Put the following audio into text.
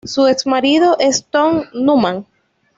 Su ex-marido es Tom Noonan.